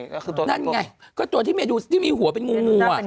นั่นไงก็ตัวที่เมดูซ่าที่มีหัวเป็นงู